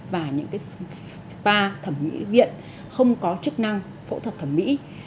và những spa thẩm mỹ viện không có chức năng phẫu thuật thẩm mỹ